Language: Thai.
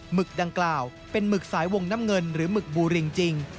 หึกดังกล่าวเป็นหมึกสายวงน้ำเงินหรือหมึกบูริงจริง